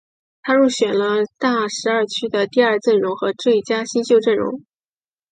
他入选了大十二区的第二阵容和最佳新秀阵容。